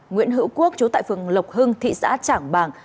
nguyễn hữu quốc chú tại phường lộc hưng thị xã trảng bàng